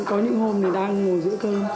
có những hôm đang ngồi giữa cơm